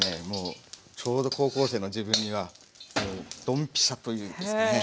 もうちょうど高校生の自分にはドンピシャといいますかね。